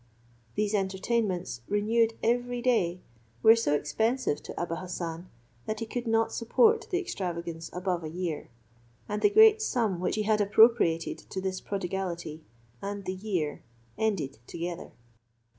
These entertainments, renewed every day, were so expensive to Abou Hassan, that he could not support the extravagance above a year: and the great sum which he had appropriated to this prodigality and the year ended together.